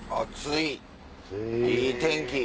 いい天気。